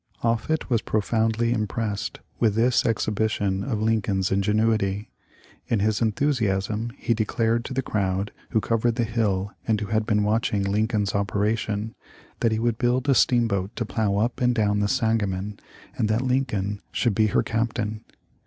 Offut was profoundly impressed with this exhibition of Lincoln's ingenuity. In his enthusi asm he declared to the crowd who covered the hill and who had been watching Lincoln's operation that he would build a steamboat to plow up and down the Sangamon, and that Lincoln should be her Captain.